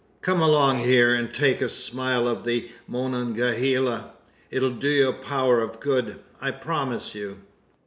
Come along here, and take a `smile' of the Monongaheela! It'll do you a power of good, I promise you."